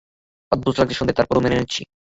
অদ্ভুত লাগছে শুনতে, তারপরেও মেনে নিচ্ছি।